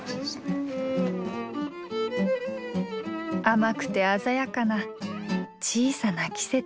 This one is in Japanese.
甘くて鮮やかな小さな季節。